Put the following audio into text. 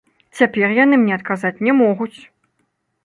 Цяпер яны мне адказаць не могуць!